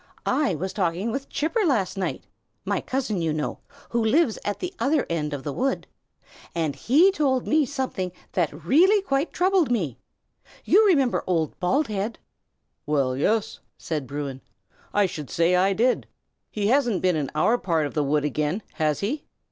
I was talking with Chipper last night, my cousin, you know, who lives at the other end of the wood, and he told me something that really quite troubled me. You remember old Baldhead?" "Well, yes!" said Bruin, "I should say I did. He hasn't been in our part of the wood again, has he?"